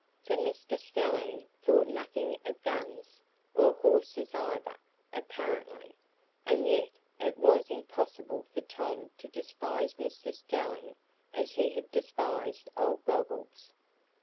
For Mr Stelling thought nothing of guns, or horses either, apparently; and yet it was impossible for Tom to despise Mr Stelling as he had despised Old Goggles.